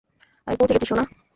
আমি পৌঁছে গেছি, সোনা!